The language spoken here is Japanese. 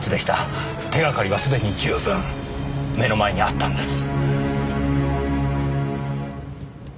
手掛かりは既に十分目の前にあったんです。